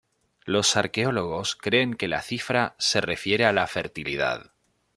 Los arqueólogos creen que la cifra se refiere a la fertilidad.